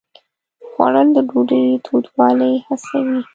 خوړل د ډوډۍ تودوالی حسوي